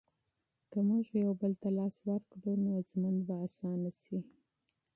که موږ یو بل ته لاس ورکړو نو ژوند به اسانه شي.